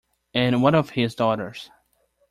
And what of his daughters?